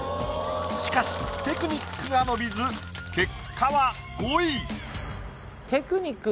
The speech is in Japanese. しかしテクニックが伸びず結果は５位。